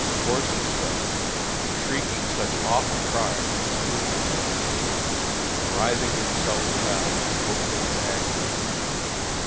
Horses fell, shrieking such awful cries as Cooper told of, and writhing themselves about in hopeless agony.